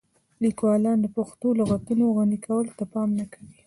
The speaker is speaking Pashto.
لیکوالان د پښتو د لغتونو غني کولو ته پام نه کوي.